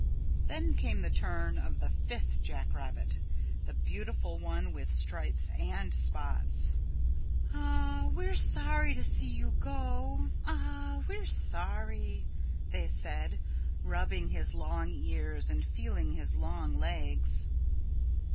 Then came the turn of the fifth jack rabbit, the beautiful one with stripes and spots. "Ah, we're sorry to see you go, Ah h, we're sorry," they said, rubbing his long ears and feeling of his long legs.